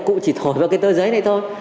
cụ chỉ thổi vào cái tờ giấy này thôi